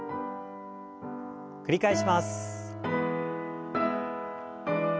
繰り返します。